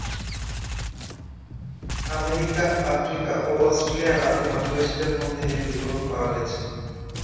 America, Africa ও অস্ট্রেলিয়ার আদিম অধিবাসীদের মধ্যে এর বিবরণ পাওয়া গেছে।